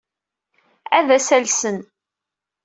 Ad as-alsen.